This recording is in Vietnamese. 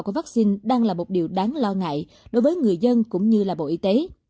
của vaccine đang là một điều đáng lo ngại đối với người dân cũng như bộ y tế